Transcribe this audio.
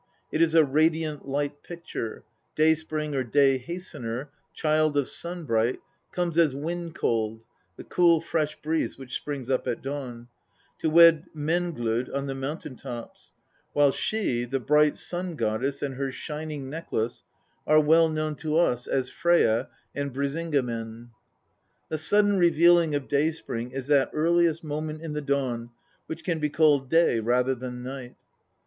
It is a radiant light picture Day spring or Day hastener, child of Sun bright, comes as Wind cold (the cool, fresh breeze which springs up at dawn), to wed Menglod on the mountain tops ; while she, the bright sun goddess and her shining necklace are well known to us as Freyja and Brisinga men. The sudden revealing of Day spring is that earliest moment in the dawn which can be called day rather than night.